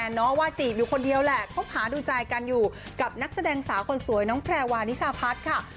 น้องว่าจีบอยู่คนเดียวแหละคบหาดูใจกันอยู่กับนักแสดงสาวคนสวยน้องแพรวานิชาพัฒน์ค่ะ